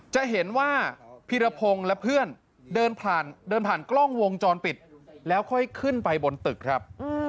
จะเห็นว่าพีรพงศ์และเพื่อนเดินผ่านกล้องวงจรปิดแล้วค่อยขึ้นไปบนตึกครับ